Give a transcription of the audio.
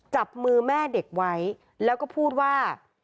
จับมือแม่เด็กไว้แล้วก็พูดว่า